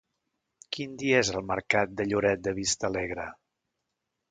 Quin dia és el mercat de Lloret de Vistalegre?